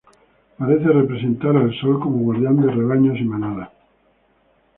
Parece representar al sol como guardián de rebaños y manadas.